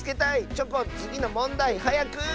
チョコンつぎのもんだいはやく！